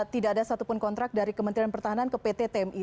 tidak ada satupun kontrak dari kementerian pertahanan ke pt tmi